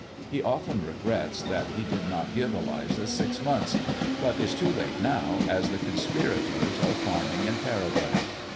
He often regrets that he did not give Eliza six months, but is too late now, as the con spirators are farming in Paraguay.